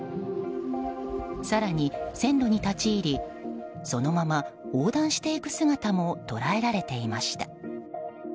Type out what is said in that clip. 更に、線路に立ち入りそのまま横断していく姿も捉えられていました。